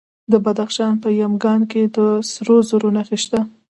د بدخشان په یمګان کې د سرو زرو نښې شته.